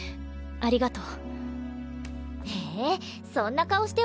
ありがとう。